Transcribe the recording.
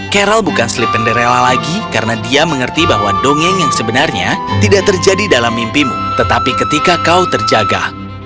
carol bukan slip penderella lagi karena dia mengerti bahwa dongeng yang sebenarnya tidak terjadi dalam mimpimu tetapi ketika kau terjaga